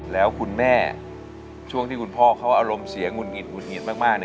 แล้วคุณแม่ช่วงที่คุณพ่อเขาอารมณ์เสียหงุดหงิดหุดหงิดมาก